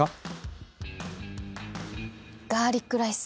ガーリックライス。